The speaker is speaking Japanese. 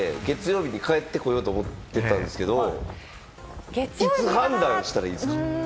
日曜日に行って月曜日に帰ってこようと思ってたんですけれども、いつ判断したらいいですか？